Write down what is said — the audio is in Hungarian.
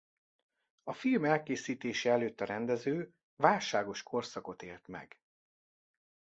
A film elkészítése előtt a rendező válságos korszakot élt meg.